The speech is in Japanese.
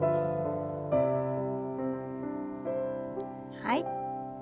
はい。